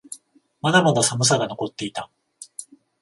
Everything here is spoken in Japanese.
まだまだ寒さが残っていた。